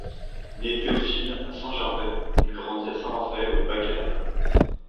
Né Théophile, à Saint-Gervais, il grandit à Saint-Raphaël au Bas-Canada.